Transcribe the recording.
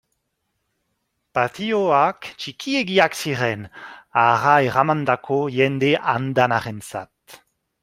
Patioak txikiegiak ziren hara eramandako jende andanarentzat.